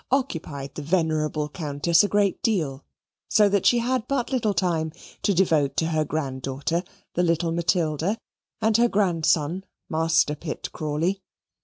occupied the venerable Countess a great deal, so that she had but little time to devote to her granddaughter, the little Matilda, and her grandson, Master Pitt Crawley.